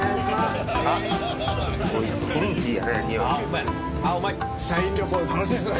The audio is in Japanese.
フルーティーやね。